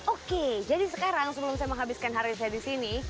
oke jadi sekarang sebelum saya menghabiskan hari saya disini